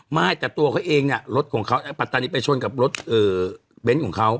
ไม่แต่ตัวเขาเองเนี่ยรถของเขาปัตตานีไปชนกับรถเบนท์ของเขา